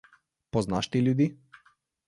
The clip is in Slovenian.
Poznaš te ljudi?